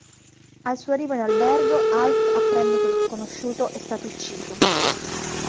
Al suo arrivo in albergo, Alf apprende che lo sconosciuto è stato ucciso.